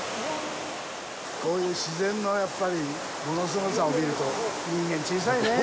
こういう自然のやっぱり物すごさを見ると、人間、小さいねぇ。